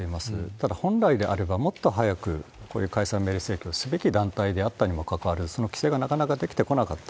ただ、本来であればもっと早く、こういう解散命令請求をすべき団体であったにもかかわらず、その規制がなかなかできてこなかった。